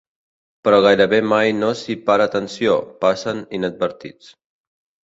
Però gairebé mai no s’hi para atenció, passen inadvertits.